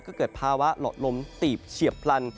ก็เกิดภาวะหลอดลมตีบเฉียบพลัน